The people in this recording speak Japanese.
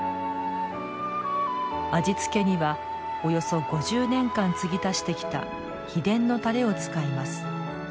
味付けにはおよそ５０年間継ぎ足してきた秘伝のタレを使います。